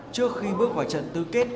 trước khi bước vào trận tư kết